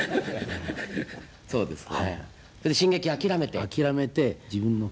そうですね。